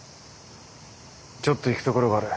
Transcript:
ちょっと行く所がある。